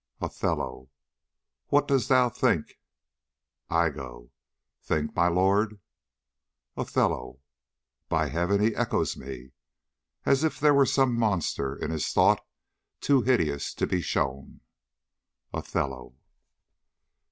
Othello. What dost thou think? Iago. Think, my lord? Othello. By heav'n, he echoes me. As if there was some monster in his thought Too hideous to be shown. OTHELLO.